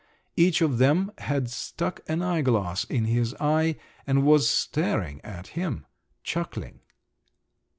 Each of them had stuck an eyeglass in his eye, and was staring at him, chuckling!